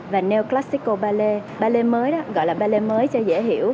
và neoclassical ballet ballet mới đó gọi là ballet mới cho dễ hiểu